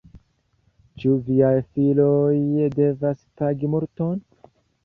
Ĉu viaj filoj devas pagi multon?